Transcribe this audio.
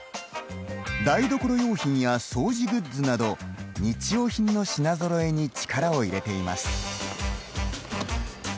台所用品や掃除グッズなど日用品の品ぞろえに力を入れています。